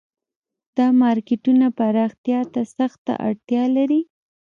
دا مارکیټونه پراختیا ته سخته اړتیا لري